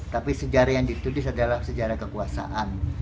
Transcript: tapi sejarah yang ditulis adalah sejarah kekuasaan